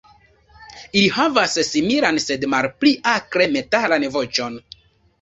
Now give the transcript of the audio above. Ili havas similan, sed malpli akre metalan voĉon.